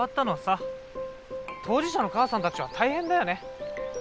当事者の母さんたちは大変だよね。